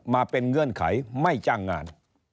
มาเป็นเงื่อนไขไม่จ้างงาน